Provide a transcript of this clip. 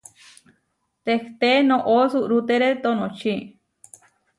Tehté noʼó suʼrútere tonočí.